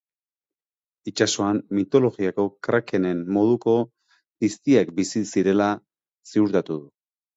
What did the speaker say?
Itsasoan mitologiako krakenen moduko piztiak bizi zirela ziurtatu du.